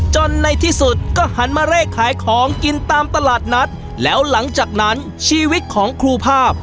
ในที่สุดก็หันมาเลขขายของกินตามตลาดนัดแล้วหลังจากนั้นชีวิตของครูภาพ